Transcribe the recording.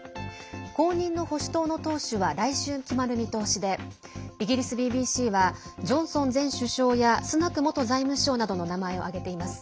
後任の保守党の党首は来週決まる見通しでイギリスＢＢＣはジョンソン前首相やスナク元財務相などの名前を挙げています。